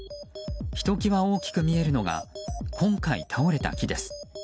ひときわ大きく見えるのが今回倒れた木です。